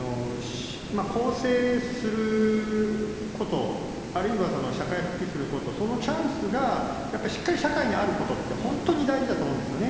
更生すること、あるいは社会復帰すること、そのチャンスがやっぱしっかり社会にあることって、本当に大事だと思うんですよね。